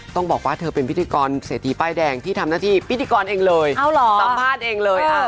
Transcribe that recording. ต้องบอกว่าเธอเป็นพิธีกรเศรษฐีป้ายแดงที่ทำหน้าที่พิธีกรเองเลยสัมภาษณ์เองเลย